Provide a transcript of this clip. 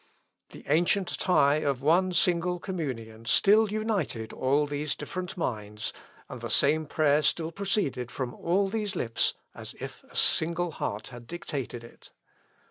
The ancient tie of one single communion still united all these different minds, and the same prayer still proceeded from all these lips as if a single heart had dictated it.